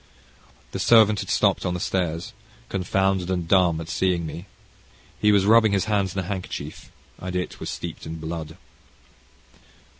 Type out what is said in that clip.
The servant had stopped on the stairs, confounded and dumb at seeing me. He was rubbing his hands in a handkerchief, and it was steeped in blood.